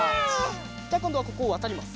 じゃあこんどはここをわたります。